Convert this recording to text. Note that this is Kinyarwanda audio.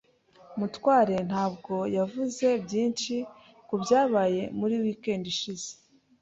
Mutware ntabwo yavuze byinshi kubyabaye muri weekend ishize.